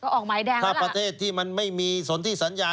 ก็ออกหมายแดงแล้วล่ะค่ะถ้าประเทศที่มันไม่มีสนที่สัญญา